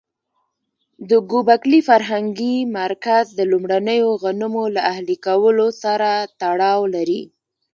د ګوبک لي فرهنګي مرکز د لومړنیو غنمو له اهلي کولو سره تړاو لري.